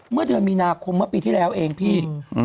เมื่อเดือนมีนาคมเมื่อปีที่แล้วเองพี่